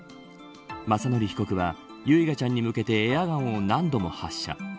雅則被告は唯雅ちゃんに向けてエアガンを何度も発射。